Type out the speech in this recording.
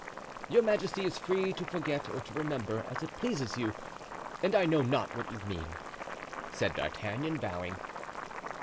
"Your majesty is free to forget or to remember, as it pleases you; and I know not what you mean," said D'Artagnan, bowing.